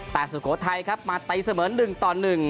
แต่สุโขทัยครับมาไตเสมอหนึ่งต่อหนึ่ง